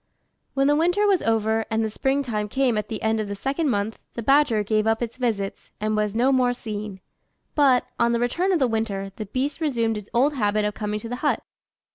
When the winter was over, and the spring time came at the end of the second month, the Badger gave up its visits, and was no more seen; but, on the return of the winter, the beast resumed its old habit of coming to the hut.